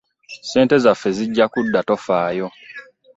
Ssente zaffe zijja kudda tofaayo.